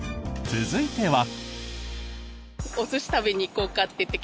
続いては。